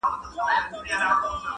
دا د هجر شپې به ټولي پرې سبا کړو,